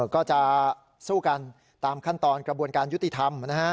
ก็จะสู้กันตามขั้นตอนกระบวนการยุติธรรมนะฮะ